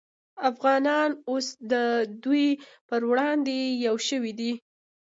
افغانان اوس د دوی پر وړاندې یو شوي دي